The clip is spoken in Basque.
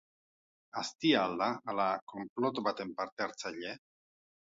Aztia al da, ala konplot baten parte-hartzaile?